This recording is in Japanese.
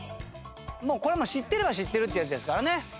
これは知ってるは知ってるってやつですからね。